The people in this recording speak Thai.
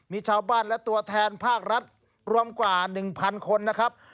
มีชาวบ้านและตัวแทนภาครัฐรวมกว่า๑๐๐คนนะครับ